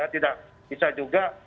tidak bisa juga